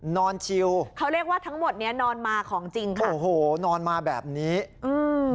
ชิวเขาเรียกว่าทั้งหมดเนี้ยนอนมาของจริงค่ะโอ้โหนอนมาแบบนี้อืม